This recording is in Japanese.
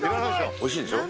おいしいでしょう？